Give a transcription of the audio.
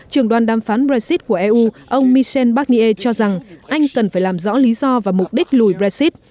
trưởng đoàn đàm phán brexit của eu ông michel barnier cho rằng anh cần phải làm rõ lý do và mục đích lùi brexit